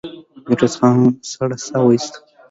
ميرويس خان سړه سا وايسته.